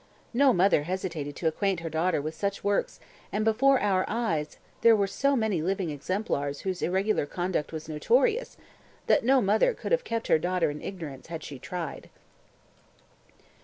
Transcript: No mother hesitated to acquaint her daughter with such works and before our eyes there were so many living exemplars whose irregular conduct was notorious, that no mother could have kept her daughter in ignorance had she tried."